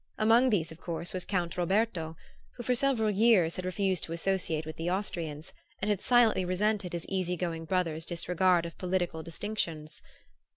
Among these, of course, was Count Roberto, who for several years had refused to associate with the Austrians, and had silently resented his easy going brother's disregard of political distinctions.